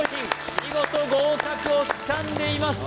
見事合格をつかんでいます